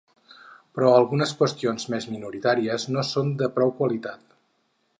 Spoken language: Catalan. Però algunes qüestions més minoritàries no són de prou qualitat.